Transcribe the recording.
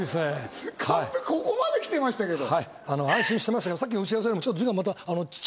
カンペ、ここまで来てましたけど。